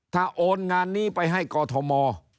ถ้าโอนงานนี้ไปให้กอทม